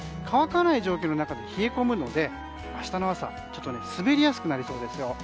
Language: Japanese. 乾かない状況の中で冷え込むので明日の朝、ちょっと滑りやすくなりそうですよ。